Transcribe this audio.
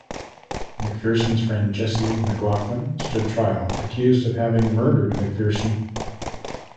McPherson's friend Jessie McLachlan stood trial, accused of having murdered McPherson.